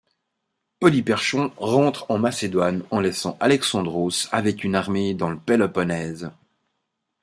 Polyperchon rentre en Macédoine en laissant Alexandros avec une armée dans le Péloponnèse.